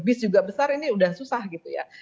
bis juga besar ini sudah susah gitu ya